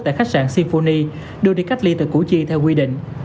tại khách sạn simoni đưa đi cách ly từ củ chi theo quy định